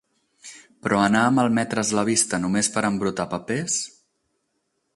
Però anar a malmetre-s la vista no més pera embrutar papers